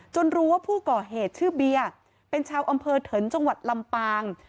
รู้ว่าผู้ก่อเหตุชื่อเบียร์เป็นชาวอำเภอเถินจังหวัดลำปาง